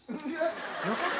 よかった。